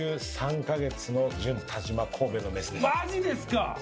マジですか！